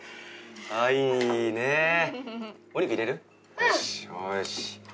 よし。